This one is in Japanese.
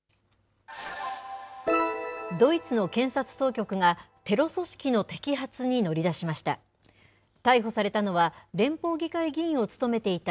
ドイツの検察当局が、テロ組織の摘発に乗り出しました。